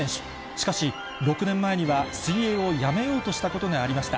しかし、６年前には水泳をやめようとしたことがありました。